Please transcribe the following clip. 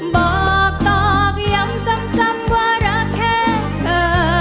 บอกตอบย้ำซ้ำว่ารักแค่เธอ